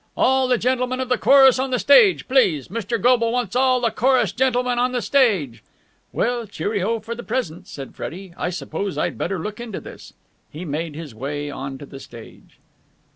"All the gentlemen of the chorus on the stage, please! Mr. Goble wants all the chorus gentlemen on the stage!" "Well, cheerio for the present," said Freddie. "I suppose I'd better look into this." He made his way on to the stage.